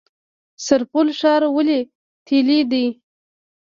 سرپل ښار ولې تیلي دی؟